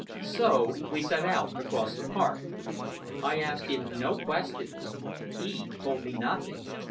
So we set out across the park. I asked him no questions. He told me nothing.